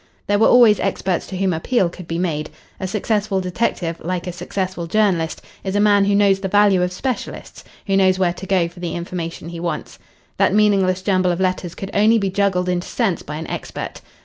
There were always experts to whom appeal could be made. A successful detective, like a successful journalist, is a man who knows the value of specialists who knows where to go for the information he wants. That meaningless jumble of letters could only be juggled into sense by an expert.